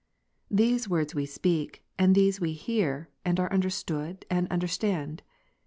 These words we speak, and these we hear, and are understood, and understand.